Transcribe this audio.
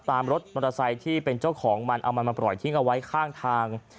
รถมอเตอร์ไซค์ที่เป็นเจ้าของมันเอามันมาปล่อยทิ้งเอาไว้ข้างทาง